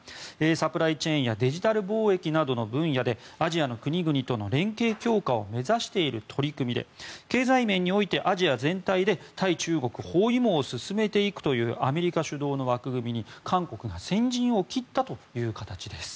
サプライチェーンやデジタル貿易などの分野でアジアの国々との連携強化を目指している取り組みで経済面においてアジア全体で対中国包囲網を進めていくというアメリカ主導の枠組みに韓国が先陣を切ったという形です。